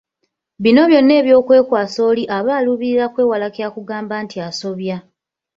Bino byonna ebyokwekwasa oli aba aluubirira kwewala kya kugamba nti asobya.